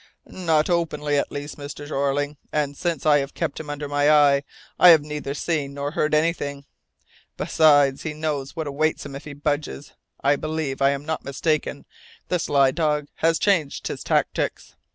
"Not openly at least, Mr. Jeorling, and since I have kept him under my eye I have neither seen nor heard anything. Besides, he knows what awaits him if he budges. I believe I am not mistaken, the sly dog has changed his tactics.